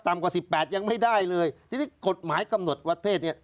ต่ำกว่า๑๘ยังไม่ได้เลยจริงกฎหมายกำหนดวัดเพศเนี่ย